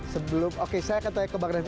sebelum oke saya nanya ke mbak gretli